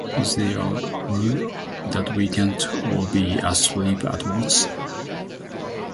Is there a rule that we can't all be asleep at once?